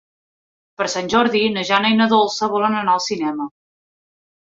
Per Sant Jordi na Jana i na Dolça volen anar al cinema.